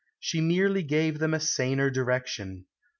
She merely gave them a saner direction.